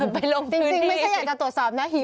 ไปลงพื้นที่จริงไม่ใช่อยากจะตรวจสอบนะหิว